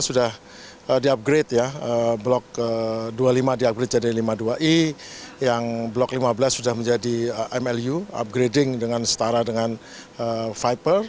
sudah di upgrade ya blok dua puluh lima di upgrade jadi lima puluh dua i yang blok lima belas sudah menjadi mlu upgrading dengan setara dengan viper